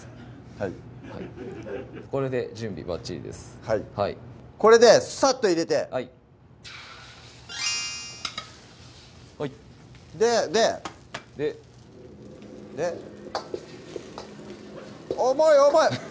はいこれで準備バッチリですはいこれでサッと入れてはいはいででで重い重い！